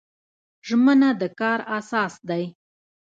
ژمنه د کار اساس دی